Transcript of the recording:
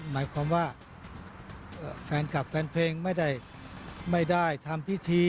หมายความว่าแฟนคลับแฟนเพลงไม่ได้ทำพิธี